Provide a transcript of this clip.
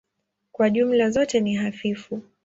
Kwa jumla zote ni hafifu.